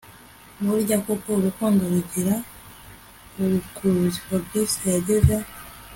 Burya koko urukundo rugira rukuruzi Fabric yageze